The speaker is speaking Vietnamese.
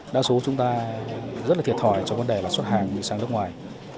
đa số chúng ta rất thiệt thòi cho vấn đề xuất hàng sang nước ngoài